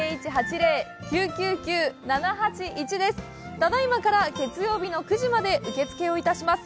ただいまから月曜日の９時まで受け付けをいたします。